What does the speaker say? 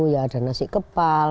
ya ada nasi kepal